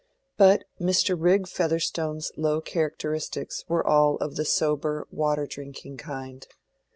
But Mr. Rigg Featherstone's low characteristics were all of the sober, water drinking kind.